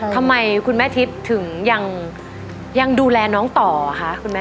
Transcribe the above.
ทำไมคุณแม่ทิพย์ถึงยังดูแลน้องต่อคะคุณแม่